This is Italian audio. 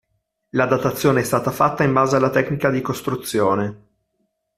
La datazione è stata fatta in base alla tecnica di costruzione.